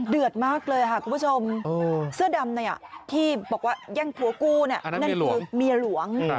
เดือดมากเลยค่ะคุณผู้ชมเสื้อดำที่บอกว่าแย่งผัวกู้นั่นคือเมียหลวง